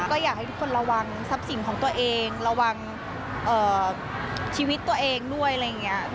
ก็อยากให้ทุกคนระวังทรัพย์สินของตัวเองระวังชีวิตตัวเองด้วยอะไรอย่างนี้